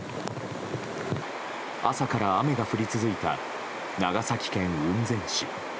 朝から雨が降り続いた長崎県雲仙市。